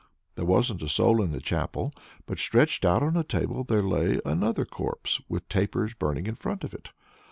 There wasn't a soul in the chapel, but stretched out on a table there lay another corpse, with tapers burning in front of it.